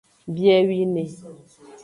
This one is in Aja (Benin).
Biewine.